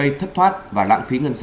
cụ thể như sau